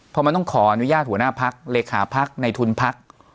เพราะมันต้องขออนุญาตหัวหน้าพักเลขาพักในทุนพัก